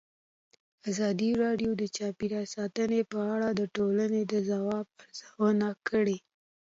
ازادي راډیو د چاپیریال ساتنه په اړه د ټولنې د ځواب ارزونه کړې.